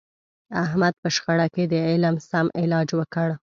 احمد په شخړه کې د علي سم علاج وکړ.